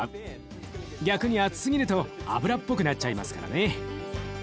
逆に厚すぎると脂っぽくなっちゃいますからね。